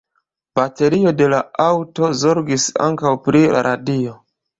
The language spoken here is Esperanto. Baterio de la aŭto zorgis ankaŭ pri la radio.